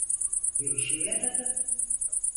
Ve işe yaradı.